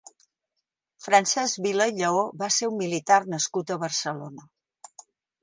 Francesc Vila i Lleó va ser un militar nascut a Barcelona.